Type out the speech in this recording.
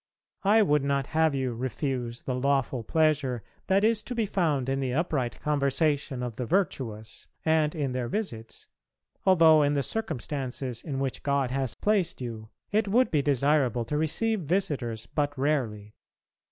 I would not have you refuse the lawful pleasure that is to be found in the upright conversation of the virtuous and in their visits, although in the circumstances in which God has placed you it would be desirable to receive visitors but rarely.